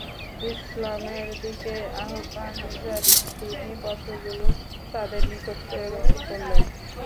ইসলামের দিকে আহবান জানিয়ে তিনি পত্রগুলো তাদের নিকট প্রেরণ করলেন।